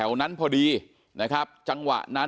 เป็นมีดปลายแหลมยาวประมาณ๑ฟุตนะฮะที่ใช้ก่อเหตุ